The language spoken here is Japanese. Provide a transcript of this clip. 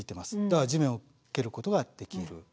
だから地面を蹴ることができる。